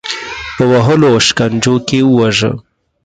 په وهلو او شکنجو کې وواژه.